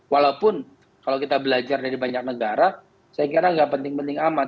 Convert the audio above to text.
walaupun kalau kita belajar dari banyak negara saya kira nggak penting penting amat